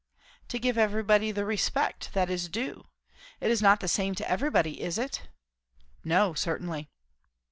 "To give everybody the respect that is due; it is not the same to everybody, is it?" "No, certainly."